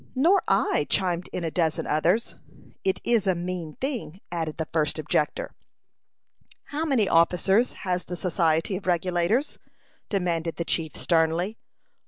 "Nor I," chimed in a dozen others. "It is a mean thing," added the first objector. "How many officers has the Society of Regulators?" demanded the chief, sternly.